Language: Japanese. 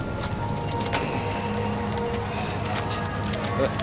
おい。